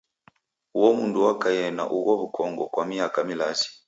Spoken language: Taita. Uo mndu wakaie na ugho w'ukongo kwa miaka milazi.